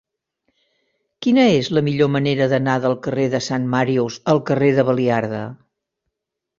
Quina és la millor manera d'anar del carrer de Sant Màrius al carrer de Baliarda?